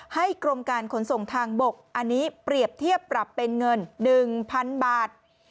กรมการขนส่งทางบกอันนี้เปรียบเทียบปรับเป็นเงิน๑๐๐๐บาท